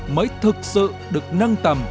mới thực sự được nâng tầm